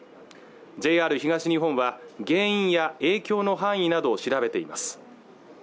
ＪＲ東日本は原因や影響の範囲などを調べています